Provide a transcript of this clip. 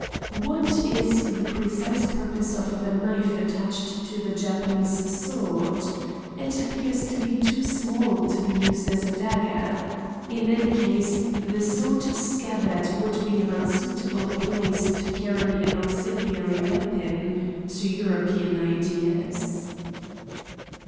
"What is the precise purpose of the knife attached to the Japanese sword? It appears to be too small to be used as a dagger. In any case, the sword scabbard would be an unsuitable place to carry an auxiliary weapon, to European ideas.'